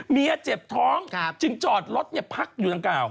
เมียเจ็บท้องจึงจอดรถพักอยู่ดังกล่าว